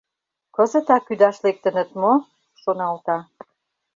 Кызытак ӱдаш лектыныт мо?» шоналта.